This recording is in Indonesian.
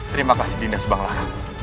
terima kasih dinda subanglarang